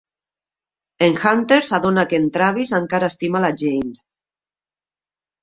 En Hunter s'adona que en Travis encara estima la Jane.